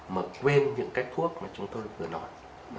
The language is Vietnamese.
mà quên những thuốc mà chúng tôi vừa nói